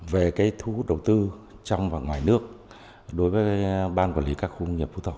về cái thu hút đầu tư trong và ngoài nước đối với ban quản lý các khu công nghiệp phú thọ